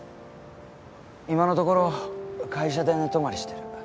今のところ会社で寝泊まりしてる。